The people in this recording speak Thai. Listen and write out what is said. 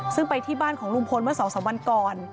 ซึ่งไปที่บ้านของลุงพลเมื่อ๒๓วันก่อน